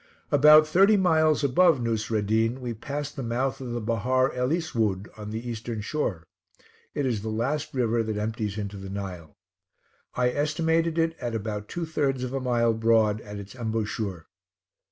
About thirty miles above Nousreddin, we passed the mouth of the Bahar el Iswood (on the eastern shore); it is the last river that empties into the Nile. I estimated it at about two thirds of a mile broad at its embouchure.